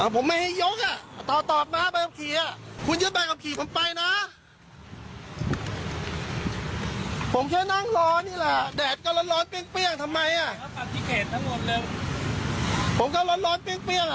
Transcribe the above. ผมอยู่บนรถนึง